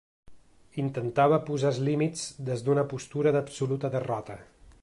Intentava posar els límits des d'una postura d'absoluta derrota.